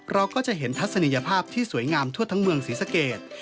เราก็จะเห็นทัศนียภาพที่สวยงามทั่วทั้งเมืองศรีสเกต